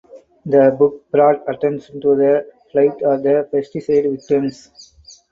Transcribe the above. The book brought attention to the plight of the pesticide victims.